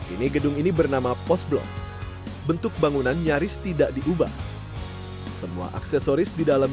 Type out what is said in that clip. ini gedung ini bernama post blok bentuk bangunan nyaris tidak diubah semua aksesoris di dalam